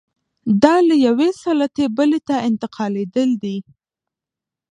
دا له یوې سلطې بلې ته انتقالېدل دي.